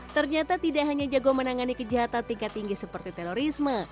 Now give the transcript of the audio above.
ternyata tidak hanya jago menangani kejahatan tingkat tinggi seperti terorisme